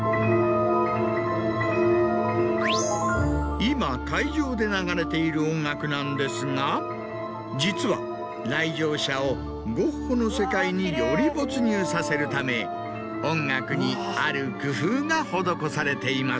今会場で流れている音楽なんですが実は来場者をゴッホの世界により没入させるため音楽にある工夫が施されています。